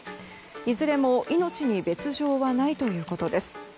いずれも命に別条はないということです。